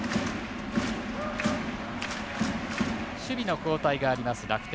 守備の交代があります、楽天。